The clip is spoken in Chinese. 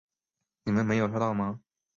你们没有抓到吗？